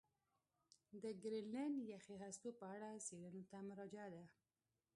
د ګرینلنډ یخي هستو په اړه څېړنو ته مراجعه ده.